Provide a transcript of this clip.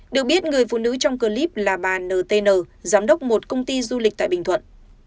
được biết người phụ nữ trong clip là bà ntn giám đốc một công ty du lịch tại bình thuận